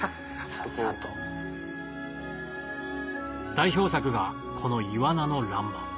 代表作がこのイワナの欄間